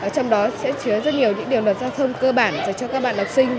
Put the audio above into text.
trong đó sẽ chứa rất nhiều những điều là giao thông cơ bản cho các bạn học sinh